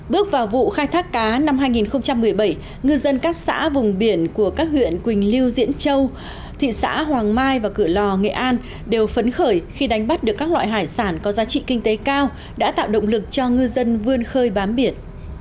bước vào vụ khai thác cá năm hai nghìn một mươi bảy ngư dân các xã vùng biển của các huyện quỳnh lưu diễn châu thị xã hoàng mai và cửa lò nghệ an đều phấn khởi khi đánh bắt được các loại hải sản có giá trị kinh tế cao đã tạo động lực cho ngư dân vươn khơi bám biển